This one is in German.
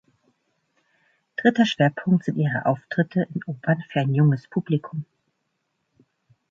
Dritter Schwerpunkt sind ihre Auftritte in Opern für ein junges Publikum.